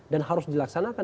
dan harus dilaksanakan